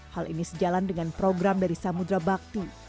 hal ini sejalan dengan program dari samudera bakti